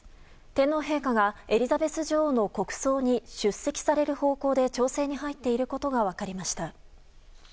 天皇陛下がエリザベス女王の国葬に出席される方向で調整に入っていることが分かりました。